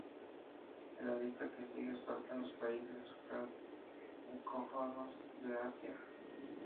En la lista que sigue faltan los países francófonos de Asia.